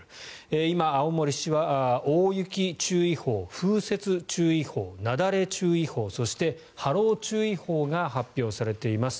今、青森市は大雪注意報、風雪注意報なだれ注意報そして波浪注意報が発表されています。